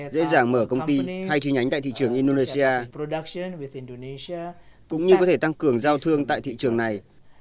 dễ dàng mở công ty hay chi nhánh tại thị trường indonesia cũng như có thể tăng cường giao thương tại thị trường này